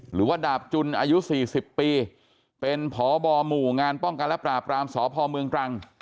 หรือว่าดาบจุนอายุ๔๐ปีเป็นพบหมู่งานป้องกันและปราบรามสพเมืองตรัง